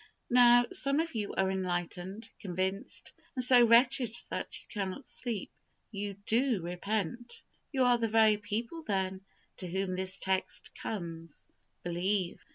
Now, some of you are enlightened, convinced, and so wretched that you cannot sleep. You do repent. You are the very people, then, to whom this text comes Believe.